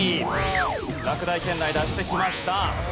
落第圏内脱してきました。